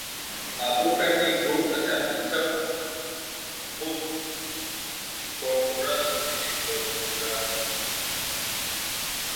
Абыхэми гу къылъамытэу, Хьуд хуэмурэ къекӏуэкӏыжащ.